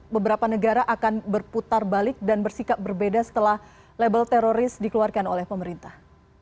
beberapa negara akan berputar balik dan bersikap berbeda setelah label teroris dikeluarkan oleh pemerintah